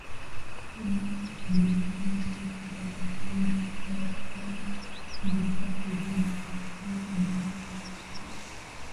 jumuiya ya kujihami ya nchi za magharibi imesema vikosi hivyo vinatuma ujumbe kwa Moscow